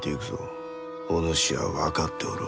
お主は分かっておろう？